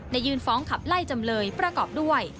ยื่นฟ้องขับไล่จำเลยประกอบด้วย